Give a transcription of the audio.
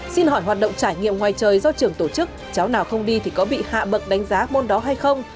xin hỏi hoạt động trải nghiệm ngoài trời do trường tổ chức cháu nào không đi thì có bị hạ bậc đánh giá môn đó hay không